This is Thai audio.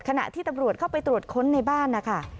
ขณะที่ตำรวจเข้าไปตรวจค้นในบ้านนะคะ